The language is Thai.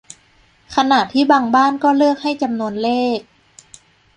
ขณะที่บางบ้านก็เลือกให้จำนวนเลข